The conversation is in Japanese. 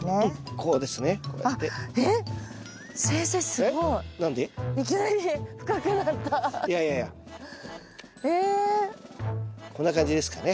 こんな感じですかね。